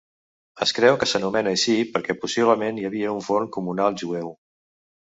Es creu que s'anomena així perquè possiblement hi havia un forn comunal jueu.